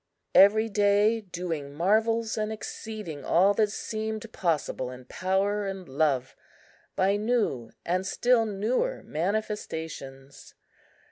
Every day doing marvels and exceeding all that seemed possible in power and love, by new and still newer manifestations.